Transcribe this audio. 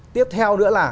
tiếp theo nữa là